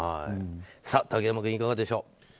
竹山君、いかがでしょう。